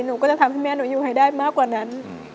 หนูก็จะทำให้แม่หนูอยู่ให้ได้มากกว่านั้น